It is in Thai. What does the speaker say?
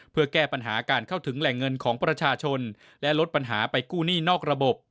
เพื่อแก้ปัญหาการเข้าถึงแหล่งเงินของประชาชนและลดปัญหาไปกู้หนี้นอกระบบ